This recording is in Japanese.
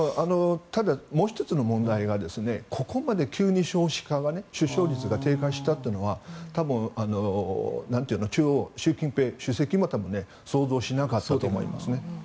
ただ、もう１つの問題がここまで急に少子化が出生率が低下したというのは多分習近平主席も想像してなかったと思いますね。